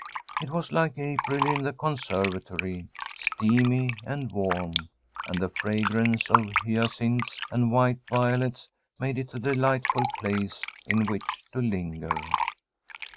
It was like April in the conservatory, steamy and warm, and the fragrance of hyacinths and white violets made it a delightful place in which to linger.